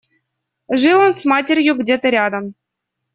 Жил он с матерью где-то рядом.